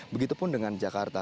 begitu pun dengan jakarta